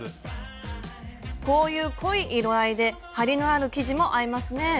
こういう濃い色合いで張りのある生地も合いますね。